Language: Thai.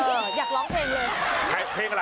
อยากร้องเพลงเลยเพลงอะไร